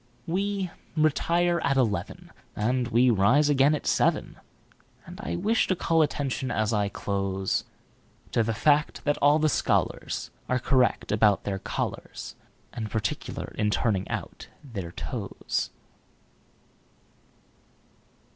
We retire at eleven, And we rise again at seven; And I wish to call attention, as I close, To the fact that all the scholarsAre correct about their collars, And particular in turning out their toes.